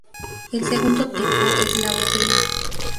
El segundo tipo es la bodega.